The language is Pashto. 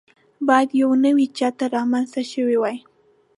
باید یو نوی چتر رامنځته شوی وای.